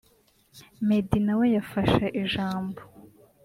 Meddy nawe yafashe ijambo